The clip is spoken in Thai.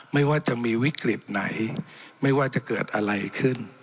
ไม่ว่าจะมีวิกฤตไหนไม่ว่าจะเกิดอะไรขึ้น